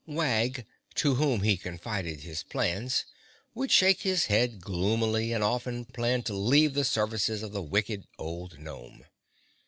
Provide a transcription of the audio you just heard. Wag, to whom he confided his plans, would shake his head gloomily and often planned to leave the services of the wicked old gnome.